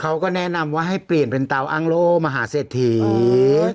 เค้าก็แนะนำว่าให้เปลี่ยนเป็นเตาอังโล่มหาเสถียร์